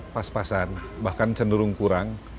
pas pasan bahkan cenderung kurang